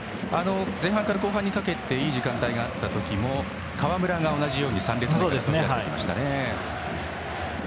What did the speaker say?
前半から後半にかけていい時間帯があった時も川村が同じように３列目から飛び出してきましたね。